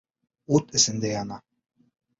Ут эсендә яна